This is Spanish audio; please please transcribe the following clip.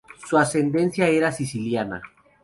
Su ascendencia era siciliana.